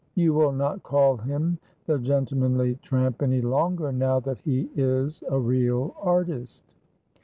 "You will not call him the gentlemanly tramp any longer, now that he is a real artist."